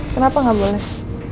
kenapa gak boleh